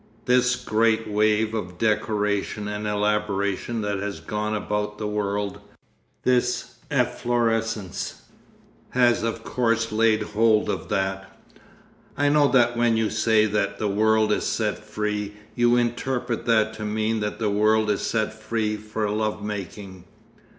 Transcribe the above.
This great wave of decoration and elaboration that has gone about the world, this Efflorescence, has of course laid hold of that. I know that when you say that the world is set free, you interpret that to mean that the world is set free for love making.